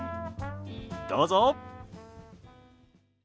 どうぞ。